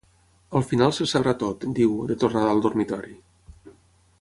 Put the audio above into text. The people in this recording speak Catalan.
Al final se sabrà tot —diu, de tornada al dormitori—.